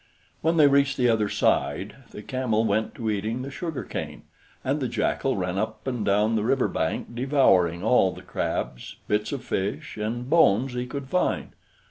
When they reached the other side, the Camel went to eating the sugarcane, and the Jackal ran up and down the river bank, devouring all the crabs, bits of fish, and bones he could find.